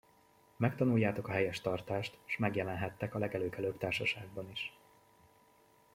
Megtanuljátok a helyes tartást, s megjelenhettek a legelőkelőbb társaságban is!